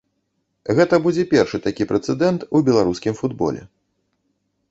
Гэта будзе першы такі прэцэдэнт у беларускім футболе.